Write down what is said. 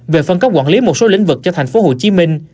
về phân cấp quản lý một số lĩnh vực cho tp hcm